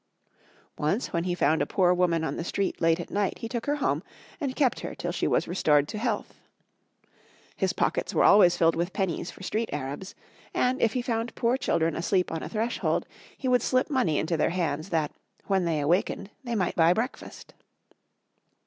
Once when he found a poor woman on the street late at night, he took her home, and kept her till she was restored to health. His pockets were always filled with pennies for street Arabs; and, if he found poor children asleep on a threshold, he would slip money into their hands that, when they awakened, they might buy a breakfast.